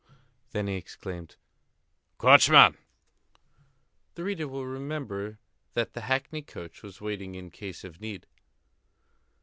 Then he exclaimed: "Coachman!" The reader will remember that the hackney coach was waiting in case of need.